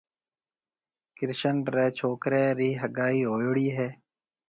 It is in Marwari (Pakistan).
ڪرشن ريَ ڇوڪريَ رِي هگائي هوئيوڙِي هيَ۔